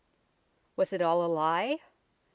Was it all a lie ?